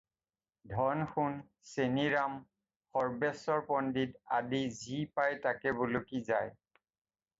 ধন-সোণ, চেনিৰাম, সৰ্ব্বেশ্বৰ পণ্ডিত আদি যি পায় তাকে বলকি যায়।